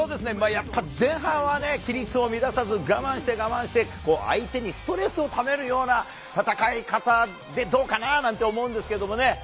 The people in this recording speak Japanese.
前半は規律を乱さず、我慢して我慢して、相手にストレスを溜めるような戦い方でどうかななんて思うんですけれどもね。